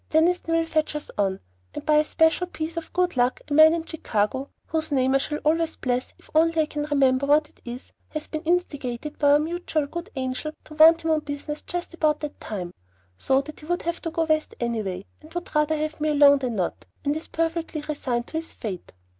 Deniston will fetch us on, and by a special piece of good luck, a man in Chicago whose name I shall always bless if only I can remember what it is has been instigated by our mutual good angel to want him on business just about that time; so that he would have to go West anyway, and would rather have me along than not, and is perfectly resigned to his fate.